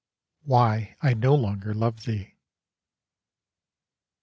Whjr I_ No Longer Love Thee?